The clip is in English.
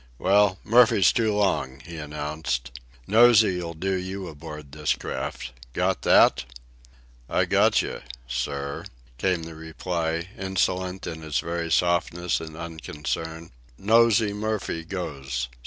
"Well, Murphy's too long," he announced. "Nosey'll do you aboard this craft. Got that?" "I gotcha ... sir," came the reply, insolent in its very softness and unconcern. "Nosey Murphy goes